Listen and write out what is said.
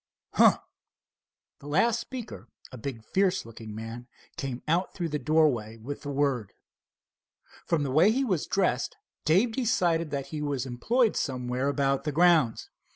"Huh!" The last speaker, a big fierce looking man came out through the doorway with the word. From the way he was dressed Dave decided that he was employed somewhere about the grounds.